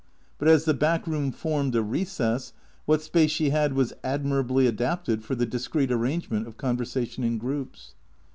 But as the back room formed a recess, what space she had was admirably adapted for the discreet arrangement of conversa tion in groups.